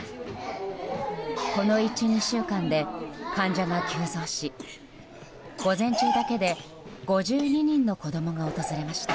この１２週間で患者が急増し午前中だけで５２人の子供が訪れました。